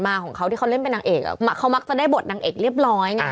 อย่างไรก็คนประมาปบบล